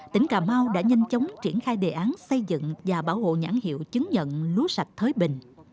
tỉnh cà mau đã nhanh chóng triển khai đề án xây dựng và bảo hộ nhãn hiệu chứng nhận lúa sạch thới bình